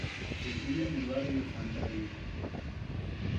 Se crio en el barrio Santa Rita.